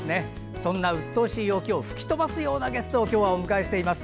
そんな、うっとうしい天気を吹き飛ばすようなゲストを今日はお迎えしております。